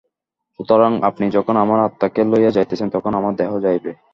সুতরাং আপনি যখন আমার আত্মাকে লইয়া যাইতেছেন, তখন আমার দেহ যাইবেই।